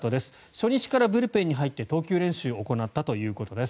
初日からブルペンに入って投球練習を行ったということです。